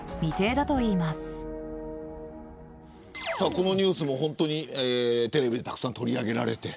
このニュースもテレビでたくさん取り上げられて。